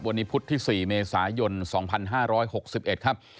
วันนี้พุธที่๔เมษายน๒๕๖๑ครับ